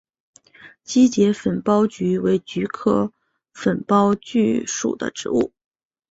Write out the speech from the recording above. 基节粉苞菊为菊科粉苞苣属的植物。